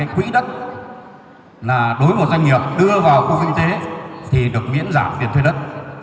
quỹ đất là đối với một doanh nghiệp đưa vào khu kinh tế thì được miễn giảm tiền thuê đất